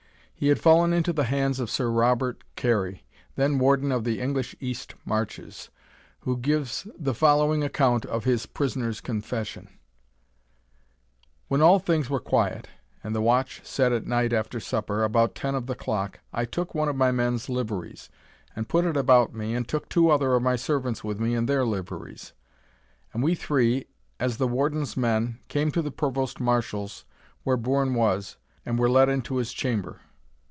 He had fallen into the hands of Sir Robert Carey, then Warden of the English East Marches, who gives the following account of his prisoner's confession: "When all things were quiet, and the watch set at night, after supper, about ten of the clock, I took one of my men's liveries, and put it about me, and took two other of my servants with me in their liveries; and we three, as the Warden's men, came to the Provost Marshal's where Bourne was, and were let into his chamber.